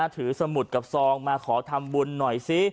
สมุดกับซองมาขอทำบุญหน่อยซิ